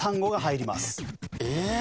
えっ？